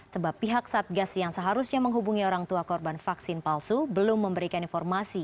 sebab pihak satgas yang seharusnya menghubungi orang tua korban vaksin palsu belum memberikan informasi